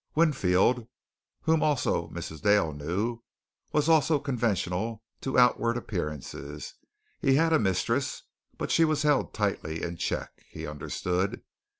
Winfield, whom also Mrs. Dale knew, was also conventional to outward appearances. He had a mistress, but she was held tightly in check, he understood.